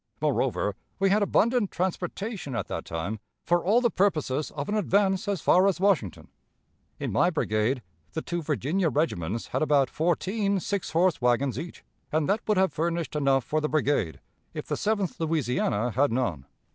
Moreover, we had abundant transportation at that time for all the purposes of an advance as far as Washington. In my brigade, the two Virginia regiments had about fourteen six horse wagons each, and that would have furnished enough for the brigade, if the Seventh Louisiana had none.